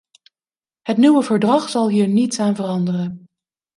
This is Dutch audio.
Het nieuwe verdrag zal hier niets aan veranderen.